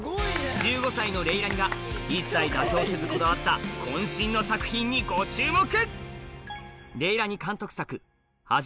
１５歳のレイラニが一切妥協せずこだわった渾身の作品にご注目！